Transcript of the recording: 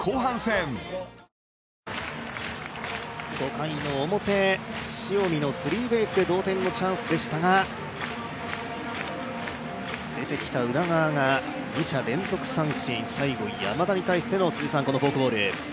５回の表、塩見のスリーベースで同点のチャンスでしたが、出てきた宇田川が２者連続三振、最後、山田に対してのフォークボール。